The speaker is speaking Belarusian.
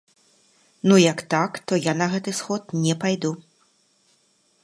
Ну, як так, то я на гэты сход не пайду!